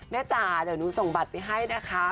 จ๋าเดี๋ยวหนูส่งบัตรไปให้นะคะ